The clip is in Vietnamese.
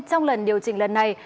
trong lần điều chỉnh lần này